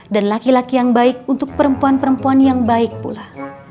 dan laki laki yang baik untuk perempuan perempuan yang baik pula